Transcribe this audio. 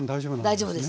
大丈夫です。